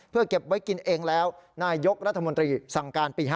เพื่อเก็บไว้กินเองแล้วนายยกรัฐมนตรีสั่งการปี๕๗